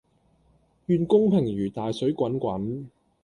願公平如大水滾滾